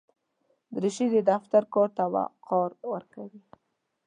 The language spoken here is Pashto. دریشي د دفتر کار ته وقار ورکوي.